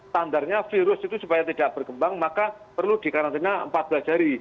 tandarnya virus itu supaya tidak berkembang maka perlu dikarantina empat belas hari